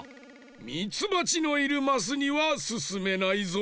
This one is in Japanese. ミツバチのいるマスにはすすめないぞ。